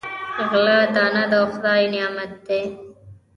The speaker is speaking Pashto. غله دانه د خدای نعمت دی.